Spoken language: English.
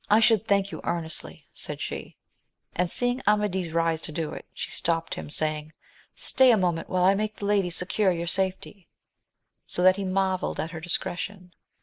1 should thank you ear nestly, said she ; and seeing Amadis rise to do it, she stopt him, saying, stay a moment while I make the lady secure your safety. So that he marvelled at her dis cretion.